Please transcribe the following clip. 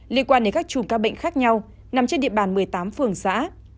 liên quan đến các chùm ca bệnh khác nhau nằm trên địa bàn một mươi tám phường xã